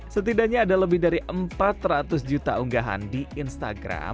setidaknya ada lebih dari empat ratus juta unggahan di instagram